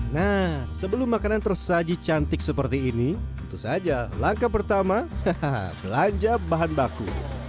nah sebelum makanan tersaji cantik seperti ini tentu saja langkah pertama belanja bahan baku